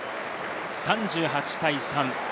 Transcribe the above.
３８対３。